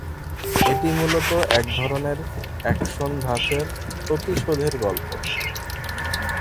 এটি মূলত এক ধরনের অ্যাকশন ধাঁচের প্রতিশোধের গল্প।